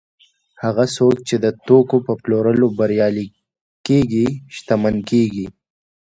هغه څوک چې د توکو په پلورلو بریالي کېږي شتمن کېږي